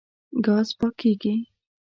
ګاز پاکېږي.